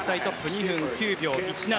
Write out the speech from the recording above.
２分９秒１７。